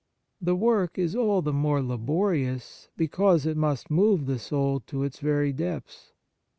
The work is all the more laborious because it must move the soul to its very depths.